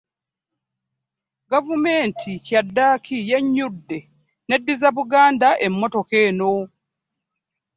Gavumenti kyaddaaki yennyudde n'eddizza Buganda emmotoka eno.